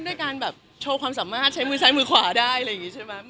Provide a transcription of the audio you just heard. ด้วยการแบบโชว์ความสามารถใช้มือซ้ายมือขวาได้อะไรอย่างนี้ใช่ไหม